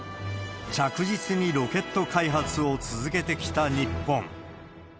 着実にロケット開発を続けてきた日本。